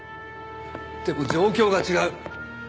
でも状況が違う！